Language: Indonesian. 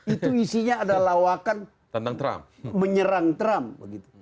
itu isinya adalah lawakan menyerang trump